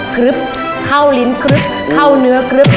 กรึ๊บเข้าลิ้นครึ๊บเข้าเนื้อกรึ๊บ